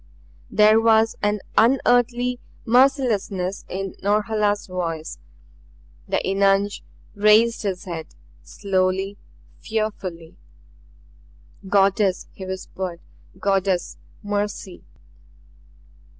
There was an unearthly mercilessness in Norhala's voice. The eunuch raised his head; slowly, fearfully. "Goddess!" he whispered. "Goddess! Mercy!"